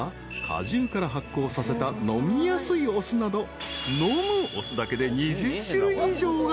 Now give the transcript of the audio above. ［果汁から発酵させた飲みやすいお酢など飲むお酢だけで２０種類以上が売られている］